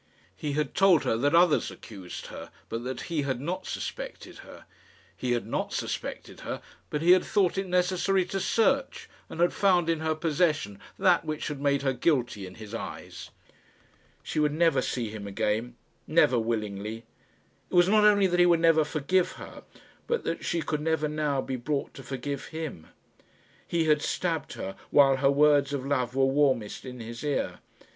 He had told her that others accused her, but that he had not suspected her. He had not suspected her, but he had thought it necessary to search, and had found in her possession that which had made her guilty in his eyes! She would never see him again never willingly. It was not only that he would never forgive her, but that she could never now be brought to forgive him. He had stabbed her while her words of love were warmest in his ear.